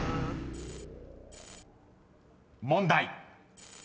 ［問題］